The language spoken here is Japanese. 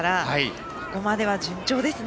ここまでは順調ですね。